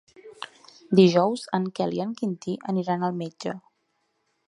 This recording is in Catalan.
Dijous en Quel i en Quintí aniran al metge.